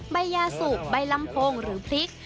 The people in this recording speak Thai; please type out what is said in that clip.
ใบยาสุกใบลำโพงหรือพริก